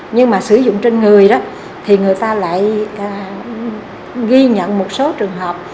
nhưng mà sử dụng trên người đó thì người ta lại ghi nhận một số trường hợp